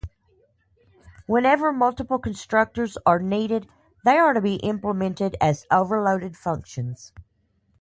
Whenever multiple constructors are needed, they are to be implemented as overloaded functions.